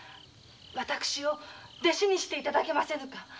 私を弟子にして頂けませぬか。